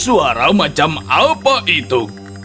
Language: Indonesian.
suara macam apa itu